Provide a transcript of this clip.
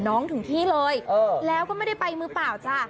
ถึงที่เลยแล้วก็ไม่ได้ไปมือเปล่าจ้ะ